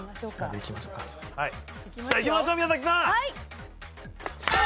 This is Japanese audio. いきましょう宮崎さん！